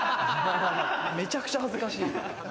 めちゃくちゃ恥ずかしい。